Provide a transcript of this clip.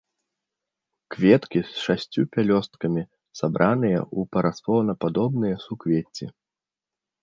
Кветкі з шасцю пялёсткамі, сабраныя ў парасонападобныя суквецці.